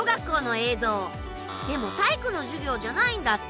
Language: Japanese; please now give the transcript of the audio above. でも体育の授業じゃないんだって。